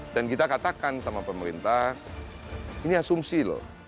dan kita katakan sama pemerintah ini asumsi loh